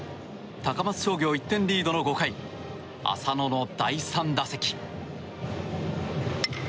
高松商業１点リードの５回浅野の第３打席。